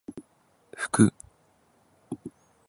ふく